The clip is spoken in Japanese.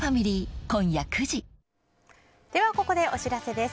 では、ここでお知らせです。